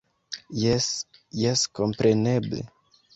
Jes, jes kompreneble